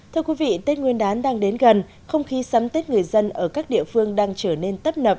thưa quý vị tết nguyên đán đang đến gần không khí sắm tết người dân ở các địa phương đang trở nên tấp nập